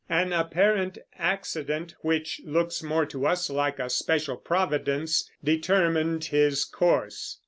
An apparent accident, which looks more to us like a special Providence, determined his course.